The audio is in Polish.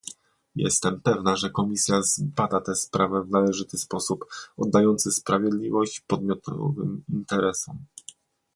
Jestem pewna, że Komisja zbada tę sprawę w należyty sposób, oddający sprawiedliwość przedmiotowym interesom